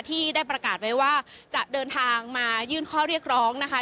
ที่ได้ประกาศไว้ว่าจะเดินทางมายื่นข้อเรียกร้องนะคะ